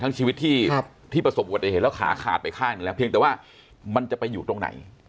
ทั้งชีวิตที่ประสบวัติเหตุแล้วขาขาดไปค่าอย่างนี้แหละเพียงแต่ว่ามันจะไปอยู่ตรงไหน